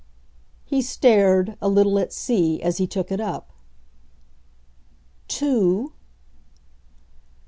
He stared, a little at sea, as he took it up. "Two